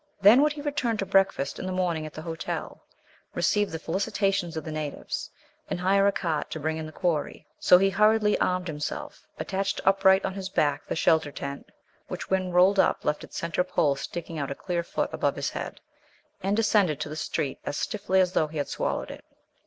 Then would he return to breakfast in the morning at the hotel, receive the felicitations of the natives, and hire a cart to bring in the quarry. So he hurriedly armed himself, attached upright on his back the shelter tent (which, when rolled up, left its centre pole sticking out a clear foot above his head), and descended to the street as stiffly as though he had swallowed it.